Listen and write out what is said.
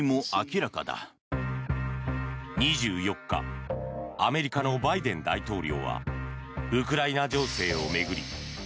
２４日アメリカのバイデン大統領はウクライナ情勢を巡り